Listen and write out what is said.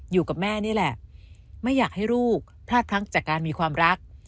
อยู่กับแม่นี่แหละไม่อยากให้ลูกพลาดพลั้งจากการมีความรัก